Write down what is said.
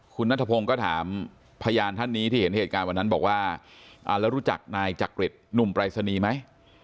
คุณนัทพงศ์ก็ถามพยานท่านนี้ที่เห็นเหตุการณ์วันนั้นบอกว่าแล้วรู้จักนายจักริตหนุ่มปรายศนีย์ไหม